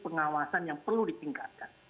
pengawasan yang perlu ditingkatkan